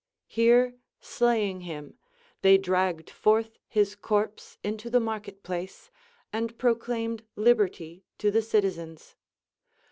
Here slaying him, they dragged forth his corpse into the market place, and proclaimed liberty to the citizens.